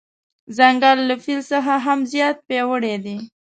ځنګل له فیل څخه هم زیات پیاوړی دی.